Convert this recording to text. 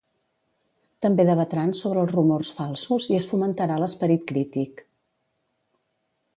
També debatran sobre els rumors falsos i es fomentarà l'esperit crític.